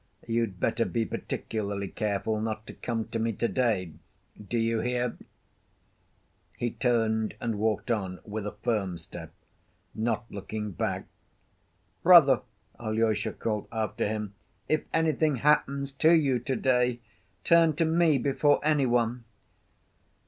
You'd better be particularly careful not to come to me to‐day! Do you hear?" He turned and walked on with a firm step, not looking back. "Brother," Alyosha called after him, "if anything happens to you to‐day, turn to me before any one!"